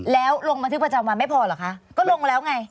แล้วลงบันทึกประจำวันไม่พอเหรอคะก็ลงแล้วไง